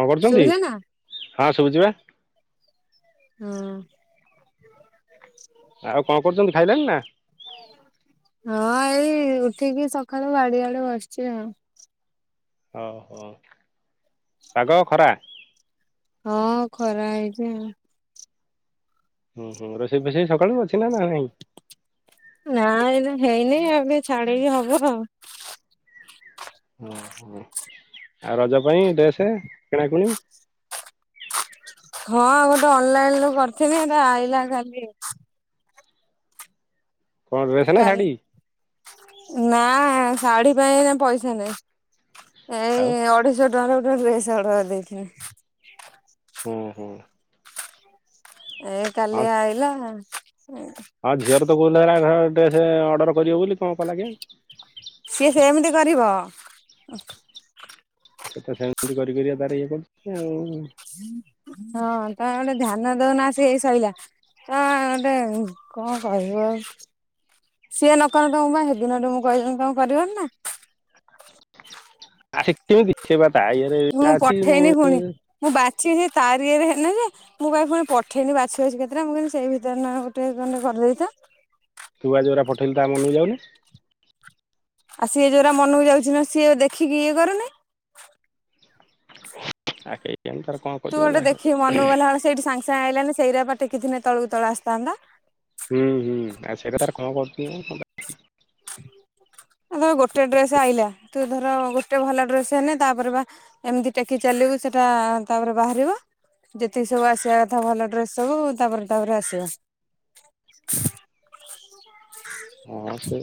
କଣ କରୁଛନ୍ତି? ଶୁଭିଲା ନା ହଁ ସୁବୁଚିବା। ହୁଁ। ଆଉ କଣ କରୁଛନ୍ତି ଖାଇଲଣିି ନା? ହଁ ଏଇ ଉଠିକି ସକାଳୁ ବାଡିଆଡେ ବସିଛି ଆଉ। ଓହୋ ପାଗ ଖରା? ହଁ ଖରା ହେଇଛି ଆଉ। ହୁଁ ହୁଁ ରୋଷେଇ ଫଷେଇ ସକାଳୁ ଅଛିନା ନା ନାଇଁ? ନାଇଁ ହେଇନି ଏବେ ଛାଡିକି ହବ ଆଉ ହଁ ହଁ ଆଉ ରଜ ପାଇଁ ଡେସ କିଣାକିଣି ହଁ ଗୋଟେ ଅନଲାଇନରୁୁ କରିଥିବି ହେଇଟା ଆଇଲା କାଲି। କଣ ଡ୍ରେସ ନା କାଲି ଶାଢ଼ି? ନା ଶାଢୀ ପାଇଁ ନା ପଇସା ନାହିଁ। ଏଇ ଆଉ ଅଢେଇଶ ଟଙ୍କାର ଗୋଟେ ଡ୍ରେସ ଅଡର ଦେଇଥିଲି। ହୁଁ ହୁଁ। ଏ ହଁ କାଲି ଆଇଲା। ହଁ ଝିଅର ତ କହୁଥିଲା ହେ ଡ୍ରେସ ଅର୍ଡର କରିବ ବୋଲି କଣ କଲା କେଜାଣି? ସିଏ ସେମିତି କରିବ। ସିଏ ତ ସେମିତି କରି କରି ତାର ଇଏ କରୁଛି ଆଉ। ହଁ କାଇଁ ଗୋଟେ ଧ୍ୟାନ ଦଉନା ଆସିକି ଏଇ ସଇଲା। କ ଗୋଟେ କ କହିବ? ସିଏ ନକରନ୍ତି ତମ ବା ହେ ଦିନଠୁ ମୁଁ କହିଲିଣୀ ତମେ କରିବନି ନା? [inaudible] ମୁଁ ଅଛି ପଠେଇନି ମୁଁ ପୁଣି। ମୁଁ ବାଛିିଚି ତାରି ଇଏରେ ହେଲେ ଯେ ମୁଁ ପାଇଁ ପୁଣି ପଠେଇନି ବାଛିବାଛି କେତେଟା ମୁଁ କି ସେଇ ଭିତରେ ନା ଗୋଟେ କଣଟେ କରିଦେଇଥା। ତୁ ଆଜି ଯୋରା ପଠେଇଲୁ ତା ମନକୁ ଯାଉନି। ଆଉ ସିଏ ଯୋରା ମନକୁ ଯାଉଛି ନା ସିଏ ଦେଖିକି ଇଏ କରୁନି। ଆ କେଇ ତାନି କଣ? ତୁ କରିବ ଗୋଟେ ଯାହା କରିବ। ଦେଖି ମନକୁ ଗଲାବେଳେ ସେଇଠି ସାଙ୍ଗ ସାଙ୍ଗ ଆଇିଲାଣି ସେଇରାପା ଟେକି ଥିଲେ ତଳକୁ ତଳ ଆସିଥାନ୍ତା। ହୁଁ ହୁଁ ଆ ସେଇରା ତାର କଣ କରୁଚି ଆଲ ଗୋଟେ ଡ୍ରେସ ଆଇଲା ତୁ ଧର ଗୋଟେ ଭଲ ଡ୍ରେସ ହେନ ତାପରେ ବା ଏମିତି ଟେକି ଚାଲିବୁ ସେଟା ତାପରେ ବାହାରିବ। ଯେତିକି ସବୁ ଆସିବା କଥା ଭଲ ଡ୍ରେସ ସବୁ ତାପରେ ତାପରେ ଆସିବ। [unintelligible] ହଁ ସେ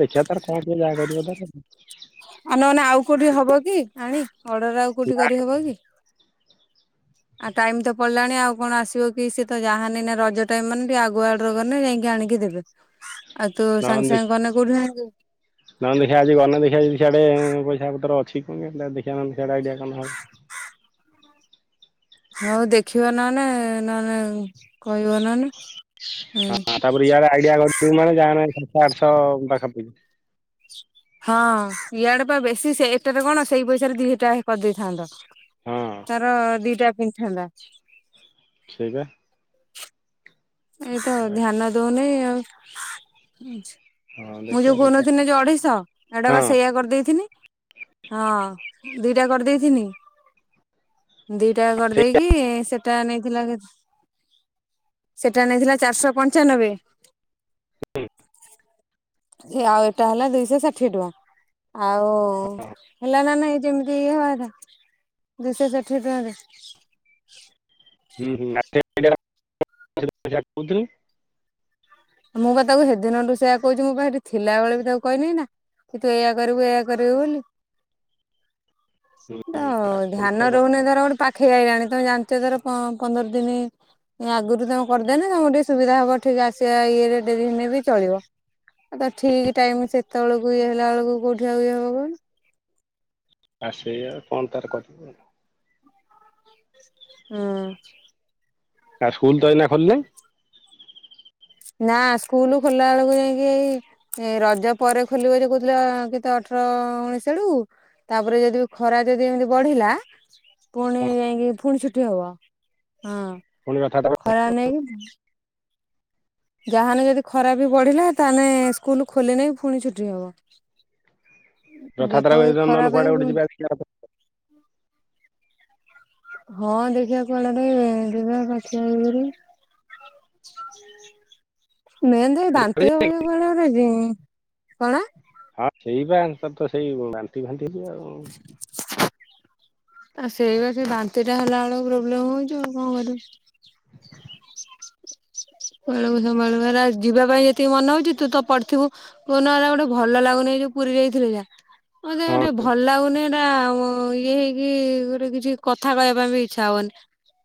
ଦେଖିବା ତାର କଣ କିଏ ଯାହା କରିବ ତାର ଆଉ ନହନେ ଆଉ କୋଉଠି ହବ କି ଆଣି ଅର୍ଡର ଆଉ କୋଉଠି କରିହବ କି? ଆଉ ଟାଇମ ତ ପଲାଣି ଆଉ କଣ ଆସିବ କି ସିଏ ତ ଯାହାନି ନା ରଜ ଟାଇମ ମାନେ ଟିକେ ଆଗୁଆ କଲେ ଯାଇକି ଆଣିକି ଦେବେ ଆଉ ତୁ ସାଙ୍ଗେ ସାଙ୍ଗେ କନେ କୋଉଠି ଆଣି ନହଲେ ଦେଖିବା ଆଜି ଗଲେ ଦେଖିଆ ଯଦି ସିଆଡେ ପଇସା ପତର ଅଛି କଣ କେଆଣି ତା ଦେଖିଆ ନହେଲେ ସିଆଡେ ଆଇଡିଆ କଲେ ହବ। ହଉ ଦେଖିବ ନହନେ ନହନେ କହିବ ନହନେ ହୁଁ। ତାପରେ ୟାର ଆଇଡିଆ କରିଥୁ ମାନେ ଯାହନେ ସାତଶହ ଆଠଶହ ପାଖା ପା ହଁ ଇଆଡେ ପା ବେଶୀ ସେଟାରେ କଣ ସେଇ ପଇସାରେ ଦିହଟା ଆହେ କରିଦେଇଥାନ୍ତ। ହଁ ତାର ଦିଟା ପିନ୍ଧିଥାନ୍ତା। ସେଇପା। ଏଇତ ଧ୍ୟାନ ଦଉନେଇ ଆଉ। ହଁ ମୁଁ ଦେଖିବା ଯୋଉ ଦେଖିବା କହୁନଥିଲି ଯୋଉ ଅଢ଼େଇଶ ଏଟା ବା ହଁ ସେଇଆା କରିଦେଇଥିନି ହଁ ଦିଟା କରିଦେଇଥିନି। ଦିଟା ସେଇ କରିଦେଇକି ସେଟା ନେଇଥିଲା କେ ସେଟା ନେଇଥିଲା ଚାରିଶହ ପଞ୍ଚାନବେ। ହୁଁ। ସେ ଆଉ ଏଇଟା ହେଲା ଦୁଇଶହ ଷାଠିଏ ଟଙ୍କା। ଆଉ ହେଲା ନା ନାଇଁ ଯେମିତି ଇଏ ହବାର। ଦୁଇଶହ ଷାଠିଏ ଟଙ୍କାରେ। ହୁଁ ହୁଁ କହୁି [unintelligible] ମୁଁ ବା ତାକୁ ହେଦିନଠୁ ସେୟା କୋହୁଛି ମୁଁ ବା ସେଠି ଥିଲାବେଳେ ବି ତାକୁ କହିନି ନା। କି ତୁ ଏୟା କରିବୁ ଏୟା କରିବୁ ବୋଲି। ତ ଧ୍ୟାନ ରହୁନି ତାର ଗୋଟେ ପାଖେଇ ଆଇଲାଣି ତମେ ଜାଣିଛ ତର ପନ୍ଦର ଦିନି ଆଗରୁ ତମେ କରିଦେନେ ତମକୁ ଟିକେ ସୁବିଧା ହବ ଠିକ ଆସିବା ଇଏରେ ଡେରି ହେନେ ବି ଚଳିବ। ଆଉ ଠିକ୍ ଟାଇମ୍ ସେତେବେଳକୁ ଇଏ ହେଲା ବେଳକୁ କୋଉଠି ଆଉ ଇଏ ହବ। ଆ ସେୟା ଆଉ କଣ ତାର କରିିବୁ। ହଁ। ଆ ସ୍କୁଲ ତ ଏ ନା ଖୋିଲିନି? ନା ସ୍କୁଲ ଖୋଲା ବେଳକୁ ଯାଇଙ୍କି ଏଇ ଏ ରଜ ପରେ ଖୋଲିବ ଯେ କୋହୁଥିଲା କେତେ ଅଠର ଉଣେଇଶି ଆଡୁକୁ। ତାପରେ ଯଦି ଖରା ଯଦି ଏମିତି ବଢିଲା ପୁଣି ହଁ ଯାଇକି ପୁଣି ଛୁଟି ହବ ହଁ ପୁଣି ରଥଯାତ୍ରା ଖରା ନେଇକି। ଯାହାନେ ଯଦି ଖରା ବି ବଢିଲା ତାହେନେ ସ୍କୁଲ ଖୋଲିନେ ପୁଣି ଛୁଟି ହବ। ରଥଯାତ୍ରାକୁ ବେପ ବି ଏ ନହେଲେ ଖରାପ କୁଆଡେ ଗୋଟେ ହେଇବ ଯିବା [unintelligible] ଦେଖିବା ହଁ ଦେଖିବା କୁଆଡେ ଗୋଟେ ଯିବା ପାଚିବା [unintelligible] ହେଇକରି। ମେନ୍ ତ ବାନ୍ତି ହବ ଜେ କୁଆଡେ ଗୋଟେ ଜିଁ ହଁ ସେଇ ବା ତର ତ [unintelligible] ସେଇ ବାନ୍ତି ଫାନ୍ତିକି ଆଉ। ଆଉ ସେଇ ବା ସେ ବାନ୍ତି ଟା ହେଲା ବେଳକୁ ପ୍ରୋବ୍ଲେମ୍ ହୋଉଛିି ଆଉ କଣ କରିବୁ। ବେଳକୁ ସମ୍ଭଳୁ [unintelligible] ଯିବା ପାଇଁ ଯେତିକି ମନେ ହଉଛି ତୁ ତ ପଡିଥିବୁ। କୋଉ ହେଲା ଗୋଟେ ଭଲ ଲାଗୁନି ଯୋଉ ପୁରୀ ଯାଇଥିଲି ଯା ମୋତେ ଆଉ ଗଟେ ଭଲ ଲାଗୁନି। ଇଏ ହେଇକି ଗୋଟେ କିଛି କଥା କହିବା ପାଇଁ ବି ଇଚ୍ଛା ହବନି।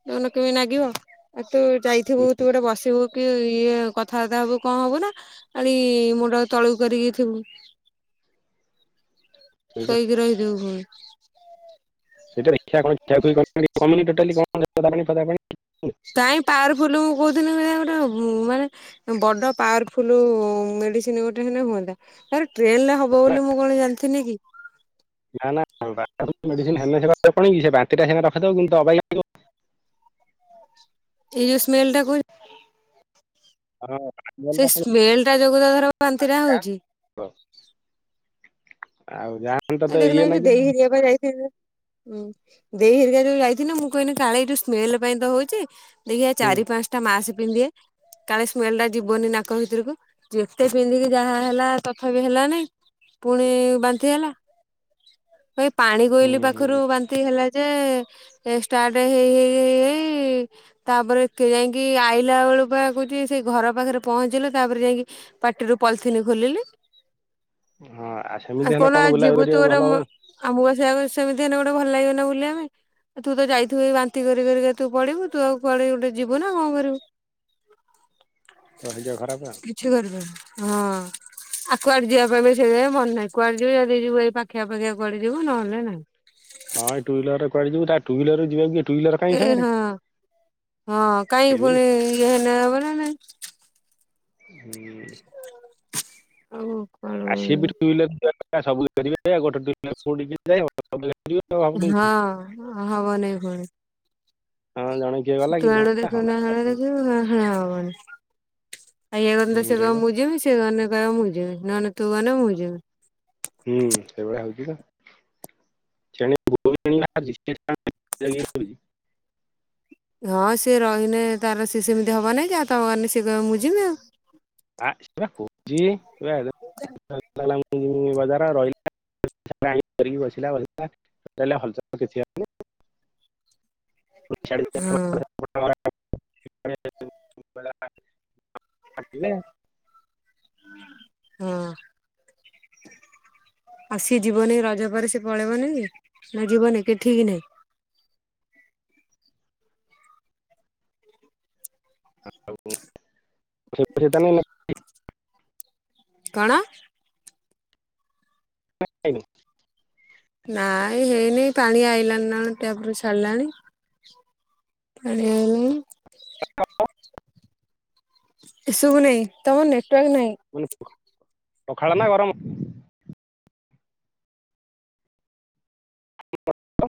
ତାନେ କେମିତି ନାଗିବ ଆଉ ତୁ ଯାଇଥିବୁ ତୁ ଗୋଟେ ବସିଥିବୁ କି ଇଏ କଥାବାର୍ତ୍ତା ହବୁ କଣ ହବୁ ନା ଖାଲି ମୁଣ୍ଡ ତଳକୁ କରିକି ଥିବୁ। ହଁ ଶୋଇକି ରହିଥିବୁ ପୁଣି। ସେଇ ଛ କ [unintelligible] ତାହିଁ ପାୱାରଫୁଲ ମୁଁ କହୁଥିନି ଗୋଟେ ମାନେ ବଡ ପାୱାରଫୁଲ୍ ମେଡିସିନ୍ ଗୋଟେ ହେଲେ ହୁଅନ୍ତା। ତାର ଟ୍ରେନ୍ ରେ ହବ ବୋଲି ମୁଁ କଣ ଜାଣିଥିନି। ନା ନା ହେଣ ବାନ୍ତି ଟା ସେ ରଖିଦବ କିନ୍ତୁ [unintelligible] ଅବାଗିଆ ଲାଗିବ। ଏଇ ଯୋଉ ସ୍ମେଲ ଟାକୁ ହଁ, ସେ ଜଲଟା ପୁଣି ସ୍ମେଲ୍ ଟା ଯୋଗୁ ତ ତାର ବାନ୍ତିଟା ହୋଉଛି। ଆଉ ଯା ଏ ଦେଖୁନ ଯୋଉ ଦେଇ ହେରିିକା ଯୋଉ ଯାଇଥିନୁ। ଦେଇ ହେରିକା ଯୋଉ ଯାଇଥିନେ ମୁଁ କହିଲି କାଳେ ଏ ଯୋଉ ସ୍ମେଲ ପାଇଁ ତ ହଉଛି ଦେଖିବା ହୁଁ ଚାରି ପାଞ୍ଚ ତି ମାସ ପିନ୍ଧିଏ କାଲେ ସ୍ମେଲ ଟା ଯିବନି ନାକ ଭିତରକୁ ଯେତେ ପିନ୍ଧିକି ଯାହା ହେଲା ତଥାପି ହେଲାନି ପୁଣି ବାନ୍ନ୍ତି ହେଲା। ଏଇ ପାଣି ବୋହିଲି ହୁଁ ହୁଁ ପାଖରୁ ବାନ୍ତି ହେଲା ଯେ ଏ ଷ୍ଟାର୍ଟ ହେଇ ହେଇ ହେଇ ତାପରେ କେ ଯାଇକି ଆଇଲା ବେଳୁପା କହୁଚି ସେ ଘର ପାଖରେ ପହଞ୍ଚିଲା ତାପରେ ଯାଇକି ପାଟିରୁ ପଲିଥିନ୍ ଖୋଲିଲି। ହଁ ଆଉ ସେମିତି ହେନେ କଣ ବୁଲାବୁଲି କରିବାକୁ ଭଲ ହବ। ଆଉ ମୁଁ ସେଇଆ କଉଚି ସେମିତି ହେଲେ ଗୋଟେ ଭଲ ଲାଗିବନା ବୁଲିବାପାଇଁ। ତୁ ତ ଯାଇଥିବୁ ବାନ୍ତି କରିକରିକା ତୁ ପଢିବୁ ତୁ ଆଉ ପଳେଇ ଗୋଟେ ଯିବୁ ନା କଣ କରିବୁ। ତୋ ଭାଗ୍ୟ ଖରାପା ଆଉ। କିଛି କରିବନି ହଁ ଆଉ କୁଆଡେ ଯିବା ପାଇଁ ସେ ମନ ନାହିଁ କୁଆଡେ ଯିବ ଯିବୁ ଏଇ ପାଖିଆ ପାଖିଆ ଯିବୁ ନହେନେ ନାଇଁ। ହଁ ଟୁଇଲର ରେ କୁଆଡେ ଯିବୁ ତା ଟୁଇଲର ରେ ଯିବାକୁ କି ଏ ହଁ ହଁ କାଇ ସିଏ ବି ପୁଣି ଏ ହେନେ ହବନା ନାଇଁ। ହୁଁ ଆଉ କଣ? [inaudible] [inaudible] [inaudible] ହଁ ଜଣେଇ [inaudible] ଖାଇବାକୁ ଗନେତ ସେ ହୁଁ, କଇବ ସେଇପା। ମୁଁ ଯିବି ସେ କଇନେ କଇବ ମୁଁ ଯିବି ନହେଲେ ତୁ ଗନେ ମୁଁ ଯିବି। ହୁଁ ସେଇଭଳିଆ ହଉଚି ପା। [inaudible] ହଁ ସିଏ ରହିନେ ତାର ସିଏ ସେମିତି ହବ ନେହିଁକି ଆ ତମ ଗନେ ସେ କହ ମୁଁ ଯିବି ଆଉ। [unintelligible] [unintelligible] ହଁ [inaudible] ହେଲା ହଁ ଆଉ ସିଏ ଯିବନି ରଜ ପରେ ସିଏ ପଳେଇବନି କି ନା ଯିବନି କେ ଠିକ୍ ନାହିଁ? [inaudible] କଣ [inaudible] ନାଇଁ ହେଇନି ପାଣି ଆଇିଲା ନା ଟ୍ୟାପରୁ ଛାଲାଣି। ପାଣି ଆଇନି। [inaudible] ଏ ଶୁଭୁନି ତମର ନେଟୱାର୍କ ନାହିଁ? [inaudible] ପଖାଳ ନା ଗରମ? [inaudible]